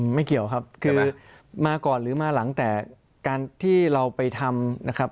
ไม่เกี่ยวครับคือมาก่อนหรือมาหลังแต่การที่เราไปทำนะครับ